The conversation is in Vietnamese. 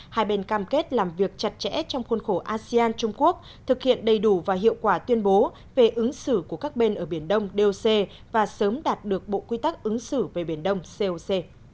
hai bên cam kết làm việc chặt chẽ trong khuôn khổ asean trung quốc thực hiện đầy đủ và hiệu quả tuyên bố về ứng xử của các bên ở biển đông doc và sớm đạt được bộ quy tắc ứng xử về biển đông coc